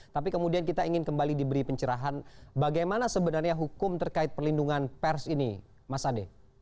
tapi kemudian kita ingin kembali diberi pencerahan bagaimana sebenarnya hukum terkait perlindungan pers ini mas ade